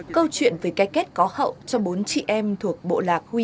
câu chuyện về cái kết có hậu cho bốn chị em thuộc bộ lạc huitoto ở colombia